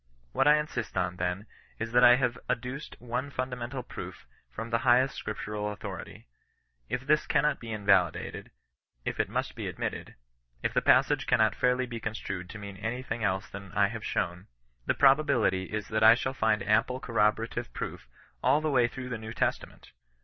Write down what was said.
What I insist on, then, is, that I have adduced one fun damental proof from the highest scripture authority. If this cannot be invalidated ; if it must be admitted ; if the passage cannot fairly be construed to mean any thing else than I have shown, the probability is that I shall find ample corroborative proof all the way through the New Testament.